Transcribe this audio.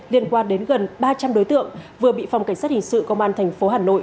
liên quan đến gần ba trăm linh đối tượng vừa bị phòng cảnh sát hình sự công an tp hà nội